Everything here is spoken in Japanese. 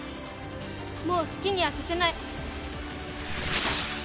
もう好きにはさせない。